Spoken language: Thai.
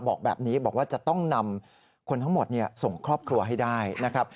บอกแบบนี้บอกว่าจะต้องนำคนทั้งหมดส่งครอบครัวให้ได้นะครับ